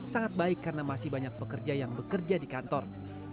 sangat baik karena masih banyak pekerja yang bekerja di kantor